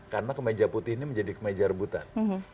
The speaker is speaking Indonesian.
karena kemeja putih ini menjadi kemeja rebutan